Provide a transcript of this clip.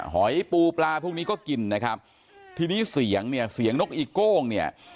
หอยปูปลาพวกนี้ก็กินนะครับทีนี้เสียงเนี่ยเสียงนกอีโก้งเนี่ย